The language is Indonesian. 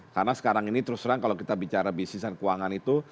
karena sekarang ini terus terang kalau kita bicara bisnis dan keuangan itu